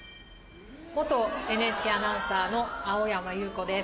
元ＮＨＫアナウンサーの青山祐子です。